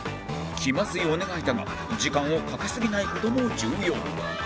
気まずいお願いだが時間をかけすぎない事も重要